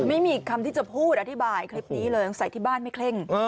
ไม่มีคำที่จะพูดอธิบายคลิปนี้เลยสงสัยที่บ้านไม่เคร่ง